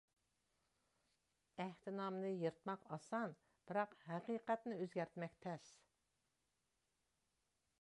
ئەھدىنامىنى يىرتماق ئاسان، بىراق ھەقىقەتنى ئۆزگەرتمەك تەس.